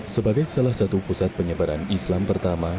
sebagai salah satu pusat penyebaran islam pertama